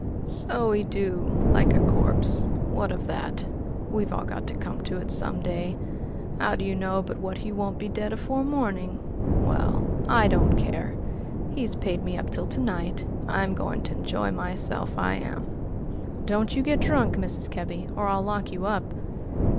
"So he do, like a corpse. What of that? We've all got to come to it some day. 'Ow d'ye know but what he won't be dead afore morning? Well, I don't care. He's paid me up till to night. I'm going to enj'y myself, I am." "Don't you get drunk, Mrs. Kebby, or I'll lock you up."